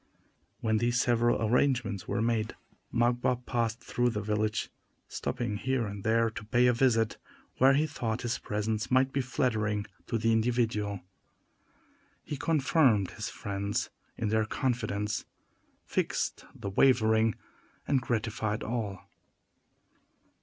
When these several arrangements were made, Magua passed through the village, stopping here and there to pay a visit where he thought his presence might be flattering to the individual. He confirmed his friends in their confidence, fixed the wavering, and gratified all.